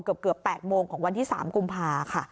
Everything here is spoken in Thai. เกือบ๘โมงของวันที่๓กุมภาค่ะ